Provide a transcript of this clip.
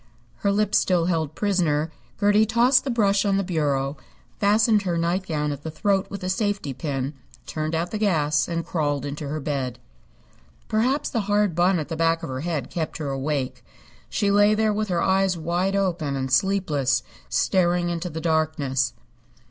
Her lip still held prisoner, Gertie tossed the brush on the bureau, fastened her nightgown at the throat with a safety pin, turned out the gas and crawled into bed. Perhaps the hard bun at the back of her head kept her awake. She lay there with her eyes wide open and sleepless, staring into the darkness.